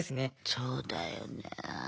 そうだよね。